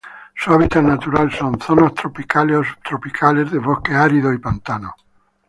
Su hábitat natural son: zonas tropicales o subtropicales, de bosques áridos y pantanos.